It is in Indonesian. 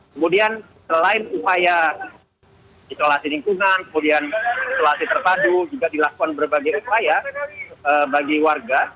kemudian selain upaya isolasi lingkungan kemudian isolasi terpadu juga dilakukan berbagai upaya bagi warga